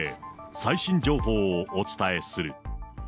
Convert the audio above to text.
最新情報をお伝えする。